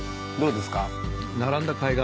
どうですか？